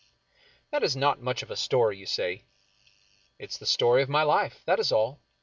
That is not much of a story, you say. It is the story of my life. That is all.